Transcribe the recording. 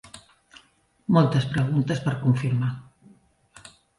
Moltes preguntes per confirmar.